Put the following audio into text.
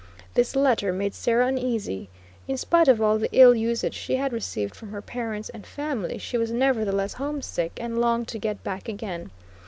This letter made Sarah uneasy. In spite of all the ill usage she had received from her parents and family, she was nevertheless homesick, and longed to get back again.